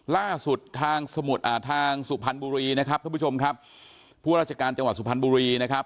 ล่าสุดทางสมุดอ่าทางสุพรรณบุรีนะครับท่านผู้ชมครับผู้ราชการจังหวัดสุพรรณบุรีนะครับ